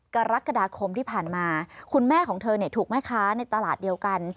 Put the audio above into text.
กรกฎาคมที่ผ่านมาคุณแม่ของเธอเนี่ยถูกแม่ค้าในตลาดเดียวกัน